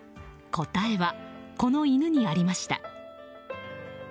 答えは、この犬にありました。